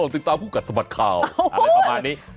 ติดตามคู่กัดสะบัดข่าวอะไรประมาณนี้